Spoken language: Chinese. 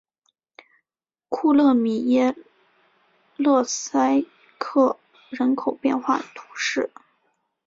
库勒米耶勒塞克人口变化图示